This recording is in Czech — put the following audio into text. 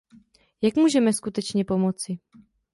Jak můžeme skutečně pomoci?